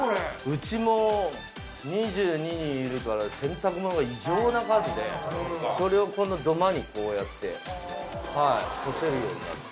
うちも２２人いるから洗濯物が異常な数でそれを土間にこうやって干せるようになる。